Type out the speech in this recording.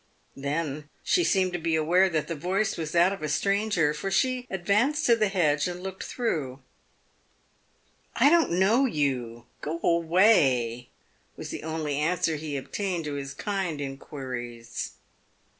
Then she seemed to be aware that the voice was that of a stranger, for she advanced to the hedge and looked through. " I don't know you — go away!" was the only answer he obtained to his kind in quiries.